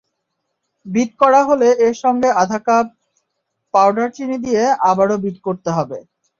Bit করা হলে এর সঙ্গে আধা কাপ পাউডার চিনি দিয়ে আবারও বিট করতে হবে।